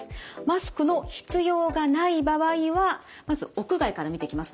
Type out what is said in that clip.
マスクの必要がない場合はまず屋外から見ていきますね。